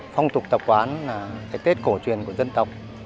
phong tục tập quán là cái tết cổ truyền của dân tộc